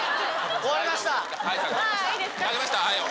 終わりました。